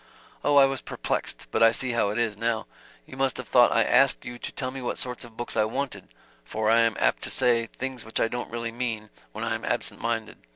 "Oh, I was perplexed but I see how it is, now. You must have thought I asked you to tell me what sort of books I wanted for I am apt to say things which I don't really mean, when I am absent minded.